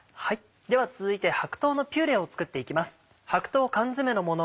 では続いて白桃のピューレを作っていきます。